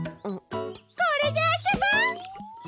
これであそぼう！